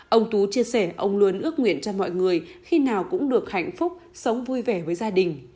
ông tú chia sẻ ông luôn ước nguyện cho mọi người khi nào cũng được hạnh phúc sống vui vẻ với gia đình